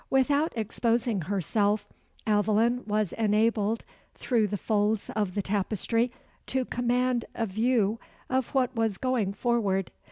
Without exposing herself, Aveline was enabled, through the folds of the tapestry, to command a view of what was going forward.